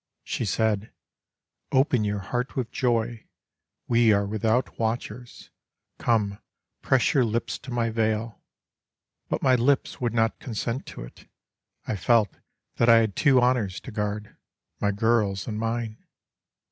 She said :" Open your heart with joy, we are without watchers ; Come press your lips to my veil.*' But my lips would not consent to it. I felt that I had two honours to guard, My girl's and mine.